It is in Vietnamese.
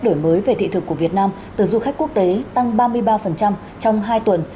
đổi mới về thị thực của việt nam từ du khách quốc tế tăng ba mươi ba trong hai tuần